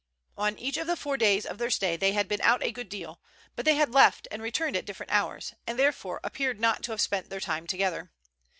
On each of the four days of their stay they had been out a good deal, but they had left and returned at different hours, and, therefore, appeared not to have spent their time together.